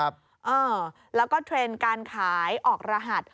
เออแล้วก็เทรนด์การขายออกรหัส